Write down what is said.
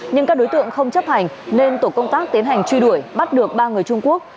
nhưng các đối tượng không chấp hành nên tổ công tác tiến hành truy đuổi bắt được ba người trung quốc